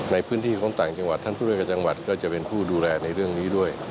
ในพื้นที่ของต่างจังหวัดท่านผู้ช่วยกับจังหวัดก็จะเป็นผู้ดูแลในเรื่องนี้ด้วย